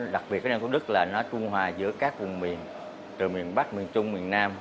đặc biệt cái nam của đức là nó trung hòa giữa các vùng miền từ miền bắc miền trung miền nam